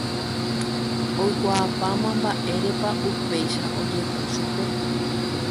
Oikuaapa mba'érepa upéicha ojehu chupe.